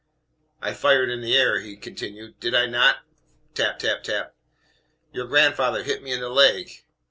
"I fired in the air," he continued; "did I not?" (Tap, tap, tap.) "Your grandfather hit me in the leg.